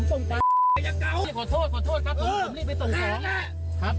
ตรงกันคำเพราะรับสินะ